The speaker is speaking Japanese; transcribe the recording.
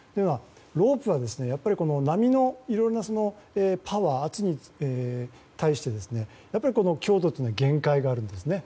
ロープは波のいろんなパワー圧に対して強度は限界があるんですね。